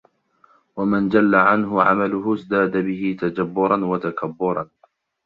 وَمَنْ جَلَّ عَنْهُ عَمَلُهُ ازْدَادَ بِهِ تَجَبُّرًا وَتَكَبُّرًا